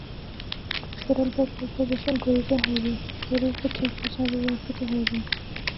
সরলভাবে উপবেশন করিতে হইবে, শরীরকে ঠিক সোজাভাবে রাখিতে হইবে।